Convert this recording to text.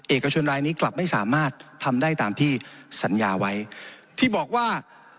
เอกชนรายนี้กลับไม่สามารถทำได้ตามที่สัญญาไว้ที่บอกว่า